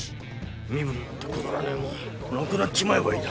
身分なんてくだらねえもんなくなっちまえばいいだ。